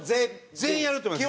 全員やると思います。